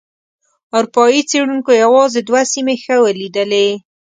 اروپایي څېړونکو یوازې دوه سیمې ښه ولیدلې.